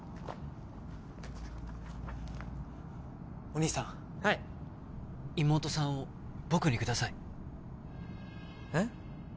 お兄さんはい妹さんを僕にくださいえっ？